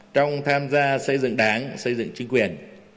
trong tham gia xây dựng đảng xây dựng chính quyền